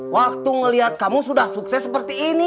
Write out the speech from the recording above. waktu ngelihat kamu sudah sukses seperti ini